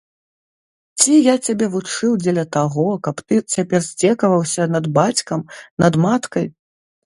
Ці я цябе вучыў дзеля таго, каб ты цяпер здзекаваўся над бацькам, над маткай!